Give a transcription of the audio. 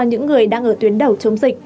những người đang ở tuyến đầu chống dịch